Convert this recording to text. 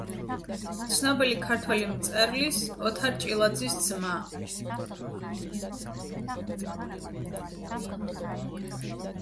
ცნობილი ქართველი მწერლის ოთარ ჭილაძის ძმა.